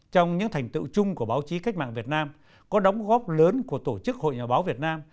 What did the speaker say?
trong những thành tựu chung của báo chí cách mạng việt nam có đóng góp lớn của tổ chức hội nhà báo việt nam